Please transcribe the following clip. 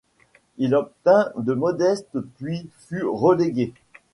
Il obtint de modeste puis fut relégué.